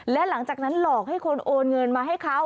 และหลังจากนั้นหลอกให้คนโอนเงินมาให้เขา